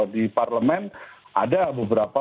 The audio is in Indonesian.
di parlemen ada beberapa